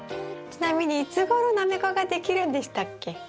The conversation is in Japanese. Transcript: ちなみにいつごろナメコができるんでしたっけ？